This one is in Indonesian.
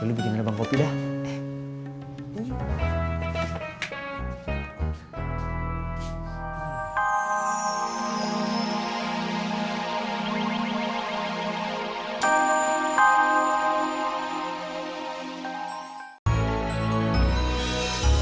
ya lu bikin abang kopi dah